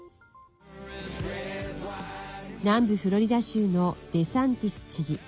南部フロリダ州のデサンティス知事。